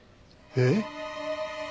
えっ？